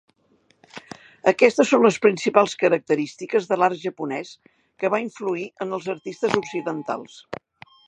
Aquestes són les principals característiques de l'art japonès que va influir en els artistes occidentals.